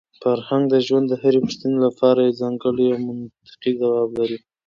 فرهنګ د ژوند د هرې پوښتنې لپاره یو ځانګړی او منطقي ځواب لري.